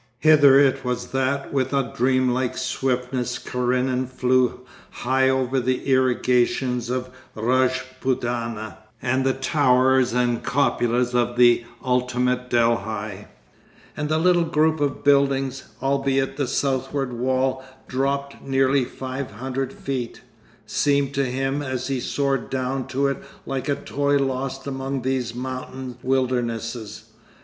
Hither it was that with a dreamlike swiftness Karenin flew high over the irrigations of Rajputana and the towers and cupolas of the ultimate Delhi; and the little group of buildings, albeit the southward wall dropped nearly five hundred feet, seemed to him as he soared down to it like a toy lost among these mountain wildernesses.